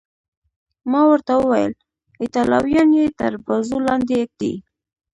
ما ورته وویل: ایټالویان یې تر بازو لاندې ږدي.